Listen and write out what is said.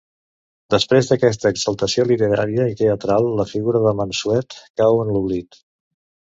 Després d'aquesta exaltació literària i teatral, la figura del Mansuet cau en l'oblit.